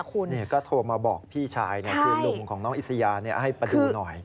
คุณก็โทรมาบอกพี่ชายคือนุ่มของน้องอิสยาให้มาดูหน่อย